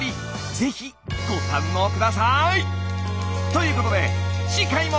ぜひご堪能下さい！ということで次回も。